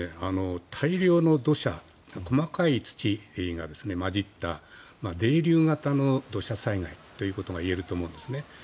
大量の土砂細かい土が混じった泥流型の土砂災害ということがいえると思うんですね。